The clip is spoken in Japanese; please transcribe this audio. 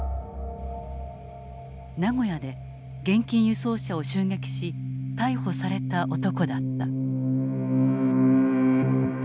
名古屋で現金輸送車を襲撃し逮捕された男だった。